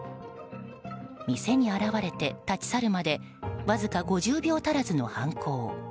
店に現れて立ち去るまでわずか５０秒足らずの犯行。